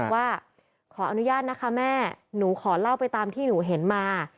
ว่าขออนุญาตนะคะแม่หนูขอเล่าไปตามที่หนูเห็นมา